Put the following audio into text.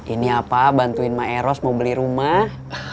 ini apa bantuin mbak eros mau beli rumah